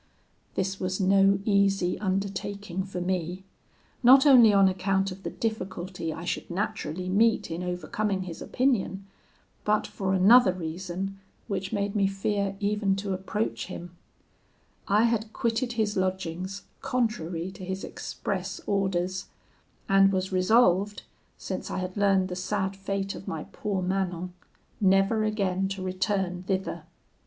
"This was no easy undertaking for me; not only on account of the difficulty I should naturally meet in overcoming his opinion, but for another reason which made me fear even to approach him; I had quitted his lodgings contrary to his express orders, and was resolved, since I had learned the sad fate of my poor Manon, never again to return thither.